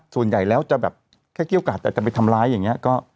ส่วนใหญ่แล้วจะแบบแค่เกี้ยวกัดแต่จะไปทำร้ายอย่างนี้